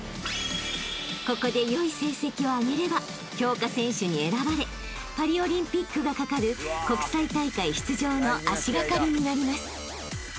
［ここで良い成績をあげれば強化選手に選ばれパリオリンピックがかかる国際大会出場の足掛かりになります］